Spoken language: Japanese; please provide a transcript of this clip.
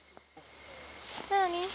何？